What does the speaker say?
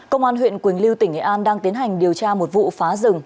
công an huyện quỳnh lưu tỉnh nghệ an đang tiến hành điều tra một vụ phá rừng